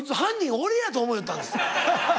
俺やと思いよったんです。